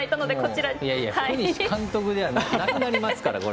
福西監督ではなくなりますから。